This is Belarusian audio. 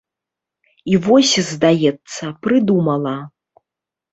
І вось, здаецца, прыдумала.